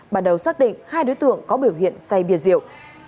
bắt đầu xác định hai đối tượng có biểu hiện say bia rượu